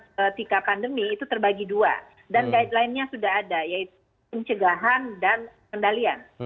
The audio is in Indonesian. ketika pandemi itu terbagi dua dan guideline nya sudah ada yaitu pencegahan dan kendalian